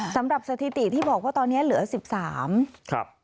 สำหรับสถิติที่บอกว่าตอนนี้เหลือ๑๓ครับ